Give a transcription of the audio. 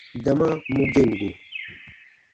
Dama mu gem go.